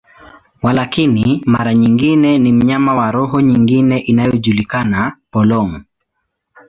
Walakini, mara nyingi ni mnyama wa roho nyingine inayojulikana, polong.